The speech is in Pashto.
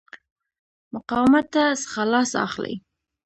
مقاومته څخه لاس اخلي.